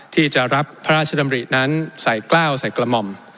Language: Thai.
ที่จะรับพระราชดำรินั้นใส่กล้าวใส่กระหม่อม